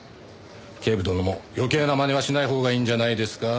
警部殿も余計なまねはしないほうがいいんじゃないですか？